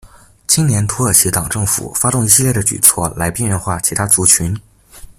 青年土耳其党政府发动一系列的举措来边缘化其他族群。